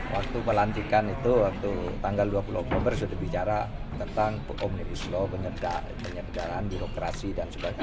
waktu pelantikan itu waktu tanggal dua puluh oktober sudah bicara tentang omnibus law penyelenggaraan birokrasi dan sebagainya